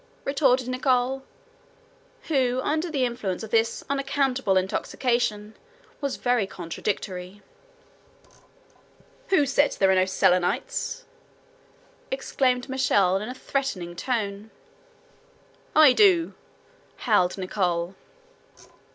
retorted Nicholl, who, under the influence of this unaccountable intoxication, was very contradictory. "Who said that there were no Selenites?" exclaimed Michel in a threatening tone. "I do," howled Nicholl.